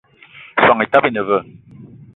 Soan etaba ine veu?